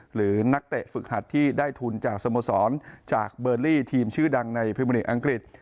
หรือนักเตะฝึกหัดที่ได้ทุนจากสโมสรจากเบอร์ลี่ทีมชื่อดังในพิมริกอังกฤษ